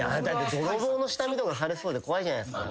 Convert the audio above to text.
泥棒の下見とかされそうで怖いじゃないですか。